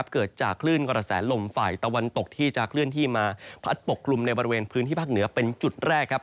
เกิดจากคลื่นกระแสลมฝ่ายตะวันตกที่จะเคลื่อนที่มาพัดปกกลุ่มในบริเวณพื้นที่ภาคเหนือเป็นจุดแรกครับ